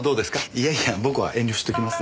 いやいや僕は遠慮しておきます。